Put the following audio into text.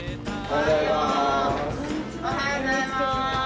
おはようございます！